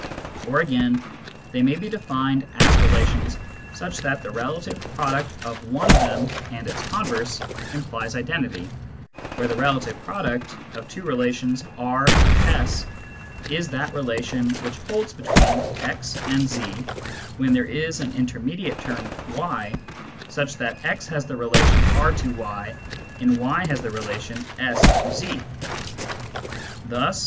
'; Or, again, they may be defined as relations such that the relative product of one of them and its converse implies identity, where the " relative product " of two relations R and S is that relation which holds between x and z when there is an intermediate term y, such that x has the relation R to y and y has the relation S to z.